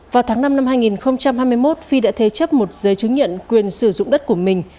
vào tháng năm năm hai nghìn hai mươi một phi đã thế chấp một giấy chứng nhận quyền sử dụng đất của mình